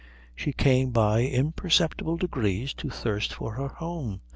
She came by imperceptible degrees to thirst for her home.